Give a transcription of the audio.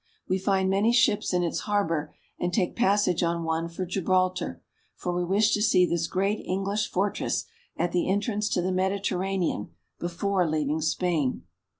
We find many ships in its harbor, and take passage on one for Gibraltar, for we wish to see this great English for tress at the entrance to the Mediterranean before leaving Spain.